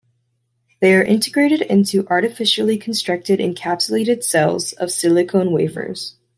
They are integrated into artificially constructed encapsulated cells of silicon wafers.